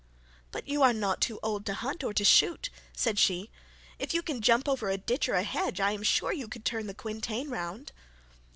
'But you are not too old to hunt or to shoot,' said she. 'If you can jump over a ditch and hedge, I am sure you could turn the quintain round.'